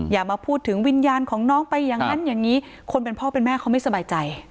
อย่ามาพูดถึงวิญญาณของน้องไปอย่างนั้นอย่างนี้คนเป็นพ่อเป็นแม่เขาไม่สบายใจ